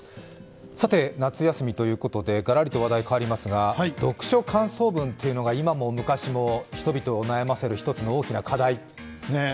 さて、夏休みということで、ガラリと話題が変わりますが、読書感想文というのが今も昔も人々を悩ませる一つの大きな課題。